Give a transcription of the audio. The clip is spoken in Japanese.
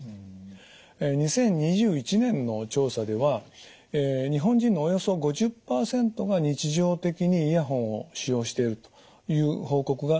２０２１年の調査では日本人のおよそ５０％が日常的にイヤホンを使用しているという報告がなされております。